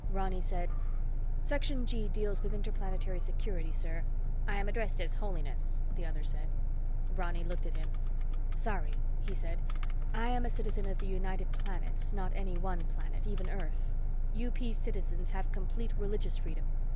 Ronny said, "Section G deals with Interplanetary Security, sir—" "I am addressed as Holiness," the other said. Ronny looked at him. "Sorry," he said. "I am a citizen of the United Planets, not any one planet, even Earth. UP citizens have complete religious freedom.